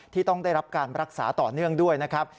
ที่ต้องได้รับการรักษาต่อเนื่องด้วยนะครับ